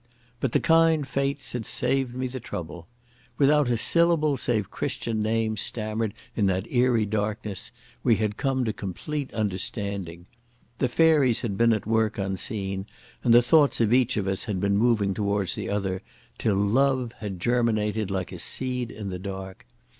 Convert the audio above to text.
But the kind Fates had saved me the trouble. Without a syllable save Christian names stammered in that eerie darkness we had come to complete understanding. The fairies had been at work unseen, and the thoughts of each of us had been moving towards the other, till love had germinated like a seed in the dark.